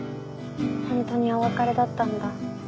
ほんとにお別れだったんだ。